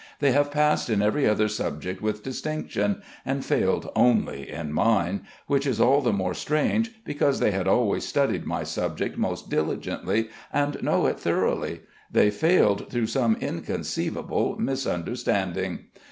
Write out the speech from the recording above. They have passed in every other subject with distinction, and failed only in mine, which is all the more strange because they had always studied my subject most diligently and know it thoroughly. They failed through some inconceivable misunderstanding.